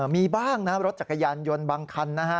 มีบ้างนะรถจักรยานยนต์บางคันนะฮะ